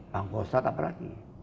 pangkostrat tak berhati